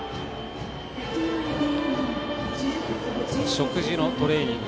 食事のトレーニング